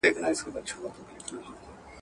او غوايي ته د ښکرو وسله ورکړې ده